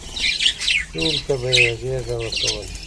سولې ته به يې غېږه ورکوله.